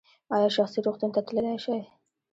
ایا شخصي روغتون ته تللی شئ؟